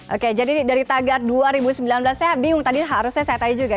oke jadi dari tagar dua ribu sembilan belas saya bingung tadi harusnya saya tanya juga